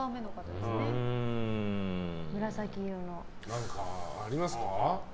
何かありますか？